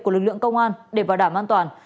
của lực lượng công an để bảo đảm an toàn